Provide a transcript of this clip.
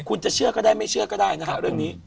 คุณจะเชื่อก็ได้ไม่เชื่อก็ได้นะฮะเรื่องนี้